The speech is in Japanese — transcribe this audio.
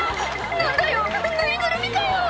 「何だよぬいぐるみかよ！」